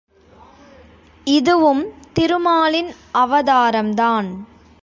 இதுவும் திருமாலின் அவதாரம்தான்!